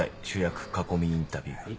主役囲みインタビュー。